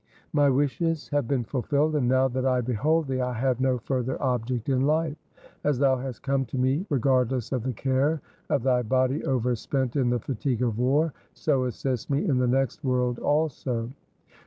My wishes have been fulfilled, and, now that I behold thee, I have no further object in life. As thou hast come to me regardless of the care of thy body overspent in the fatigue of war, so assist me in the next world also.